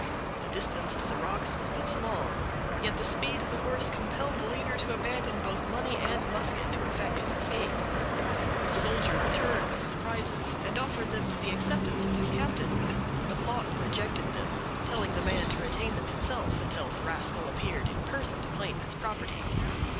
The distance to the rocks was but small, yet the speed of the horse compelled the leader to abandon both money and musket, to effect his escape. The soldier returned with his prizes, and offered them to the acceptance of his captain; but Lawton rejected them, telling the man to retain them himself, until the rascal appeared in person to claim his property.